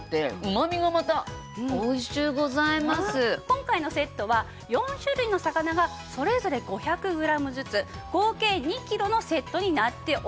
今回のセットは４種類の魚がそれぞれ５００グラムずつ合計２キロのセットになっております。